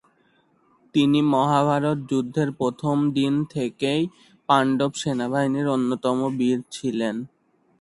তিনি মহাভারত যুদ্ধের প্রথম দিন থেকেই পাণ্ডব সেনাবাহিনীর অন্যতম বীর ছিলেন।